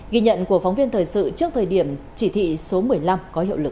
ghi nhận của phóng viên thời sự trước thời điểm chỉ thị số một mươi năm có hiệu lực